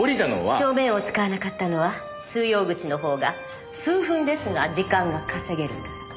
正面を使わなかったのは通用口の方が数分ですが時間が稼げるから。